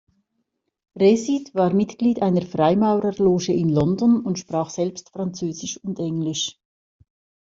Reşid war Mitglied einer Freimaurerloge in London und sprach selbst Französisch und Englisch.